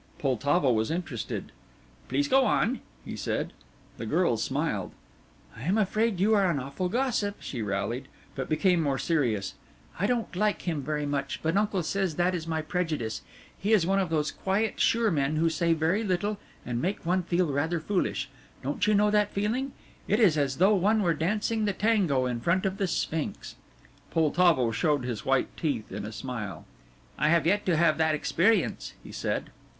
Poltavo was interested. "Please go on," he said. The girl smiled. "I am afraid you are an awful gossip," she rallied, but became more serious. "I don't like him very much, but uncle says that is my prejudice. He is one of those quiet, sure men who say very little and make one feel rather foolish. Don't you know that feeling? It is as though one were dancing the tango in front of the Sphinx." Poltavo showed his white teeth in a smile. "I have yet to have that experience," he said.